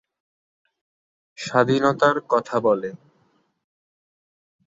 স্বাধীনতার কথা বলে